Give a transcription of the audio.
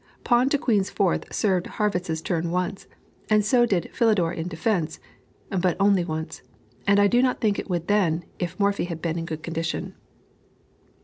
Pawn to queen's fourth served Harrwitz's turn once, and so did Philidor in defence, but only once, and I do not think it would then, if Morphy had been in good condition.